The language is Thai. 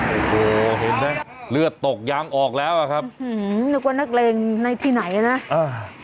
โอ้โหเห็นไหมเลือดตกยางออกแล้วอ่ะครับหือนึกว่านักเลงในที่ไหนอ่ะนะอ่า